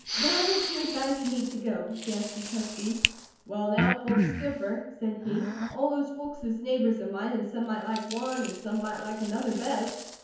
"Where would you advise me to go?" she asked the Trustee. "Well, now, folks differ," said he. "All those folks is neighbours of mine and some might like one, and some might like another, best.